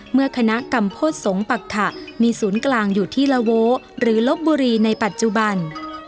เมื่อคณะกรรมโพธิสงฆ์ปักขะมีศูนย์กลางอยู่ที่ละโวหรือลบบุรีในปัจจุบัน